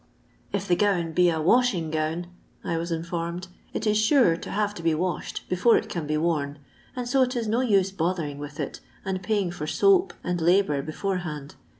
" If the gown be a washing gown," I was informed, ''it is sure to have to be washed before it can be worn, and so it is no use bothering with it, and paying for soap and labour beforehand.